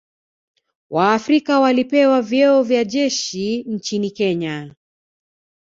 waafrika walipewa vyeo vya jeshi nchini Kenya